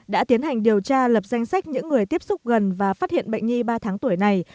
đã tiến hành điều tra lập danh sách những người tiếp xúc gần và phát hiện bệnh nhi ba tháng tuổi này